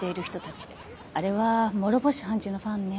あれは諸星判事のファンね。